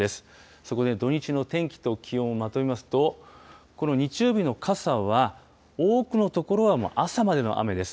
そこで土日の天気と気温をまとめますと、この日曜日の傘は、多くの所は朝までの雨です。